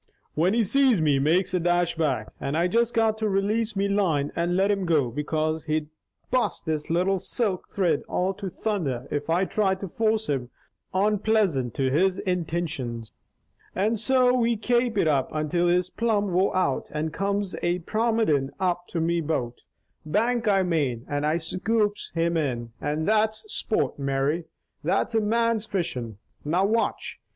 Whin he sees me, he makes a dash back, and I just got to relase me line and let him go, because he'd bust this little silk thrid all to thunder if I tried to force him onpleasant to his intintions, and so we kape it up until he's plum wore out and comes a promenadin' up to me boat, bank I mane, and I scoops him in, and that's sport, Mary! That's MAN'S fishin'! Now watch!